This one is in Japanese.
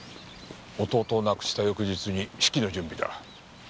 弟を亡くした翌日に式の準備だ。